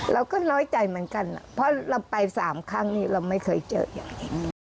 เราก็น้อยใจเหมือนกันเพราะเราไป๓ครั้งนี้เราไม่เคยเจออย่างนี้